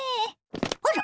あら！